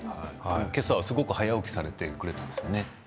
今朝はすごく早起きされてくれてますよね。